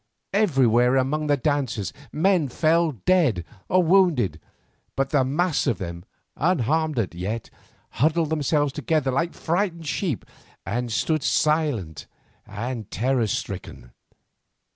Everywhere among the dancers men fell dead or wounded, but the mass of them, unharmed as yet, huddled themselves together like frightened sheep, and stood silent and terror stricken.